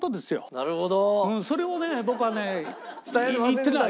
なるほど。